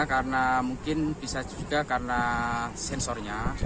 karena mungkin bisa juga karena sensornya